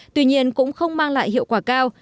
tuy nhiên cũng không mang lại hiệu quả cao